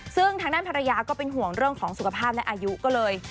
ซึ่งทางด้านภรรยาก็เป็นห่วงเรื่องของสุขภาพและอายุก็เลย